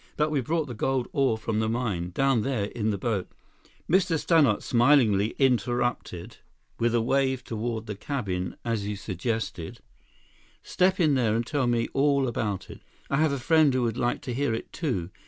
But we've brought the gold ore from the mine, down there in the boat—" Mr. Stannart smilingly interrupted with a wave toward the cabin as he suggested: "Step in there and tell me all about it. I have a friend who would like to hear it too.